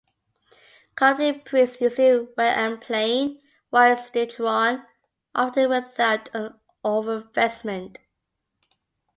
Coptic priests usually wear a plain, white sticharion, often without an over vestment.